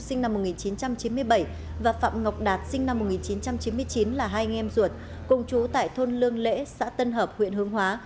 sinh năm một nghìn chín trăm chín mươi bảy và phạm ngọc đạt sinh năm một nghìn chín trăm chín mươi chín là hai anh em ruột cùng chú tại thôn lương lễ xã tân hợp huyện hương hóa